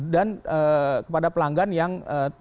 dan kepada pelanggan yang